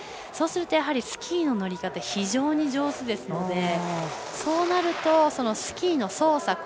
そうすると、スキーの乗り方非常に上手ですのでそうなるとスキーの操作